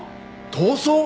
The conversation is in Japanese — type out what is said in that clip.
逃走！？